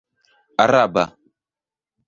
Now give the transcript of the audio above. araba